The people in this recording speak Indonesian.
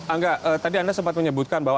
angga tadi anda sempat menyebutkan bahwa